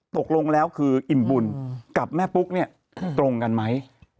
ตกลงแล้วคืออิ่มบุญกับแม่ปุ๊กเนี่ยตรงกันไหม